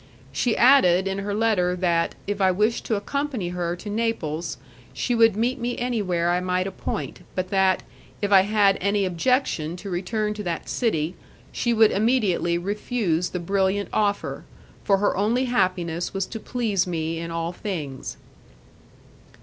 She added in her letter that, if I wished to accompany her to Naples, she would meet me anywhere I might appoint, but that, if I had any objection to return to that city, she would immediately refuse the brilliant offer, for her only happiness was to please me in all things.